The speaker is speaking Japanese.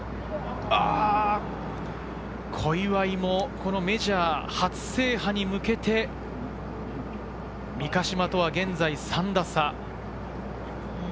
小祝もメジャー初制覇に向けて三ヶ島とは現在３打差。